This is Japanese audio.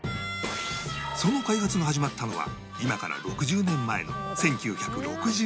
その開発が始まったのは今から６０年前の１９６２年